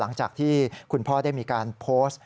หลังจากที่คุณพ่อได้มีการโพสต์